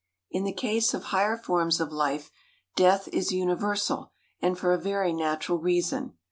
In the case of higher forms of life death is universal, and for a very natural reason.